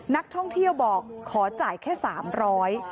นักท่องเที่ยวบอกขอจ่ายแค่๓๐๐บาท